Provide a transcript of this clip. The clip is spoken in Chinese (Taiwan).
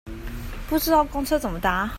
不知道公車怎麼搭